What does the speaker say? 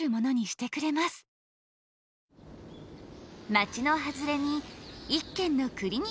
街の外れに１軒のクリニックがある。